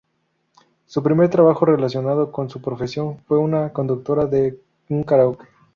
Su primer trabajo relacionado con su profesión fue como conductora de un karaoke.